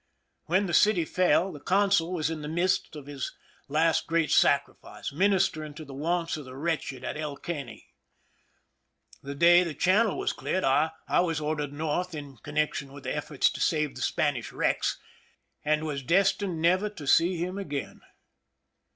When the city fell, the consul was in the midst of his last great sacrifice, ministering to the wants of the wretched at El Caney. The day the channel was cleared, I was ordered North in con nection with the efforts to save the Spanish wrecks, and was destined never to see him again.